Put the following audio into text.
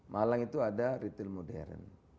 malang itu ada retail modern